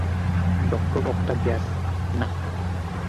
Doctor Octavius, না।